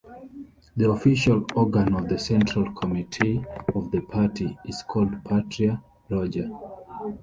The official organ of the Central Committee of the party is called "Patria Roja".